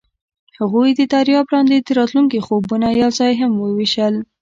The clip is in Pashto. هغوی د دریاب لاندې د راتلونکي خوبونه یوځای هم وویشل.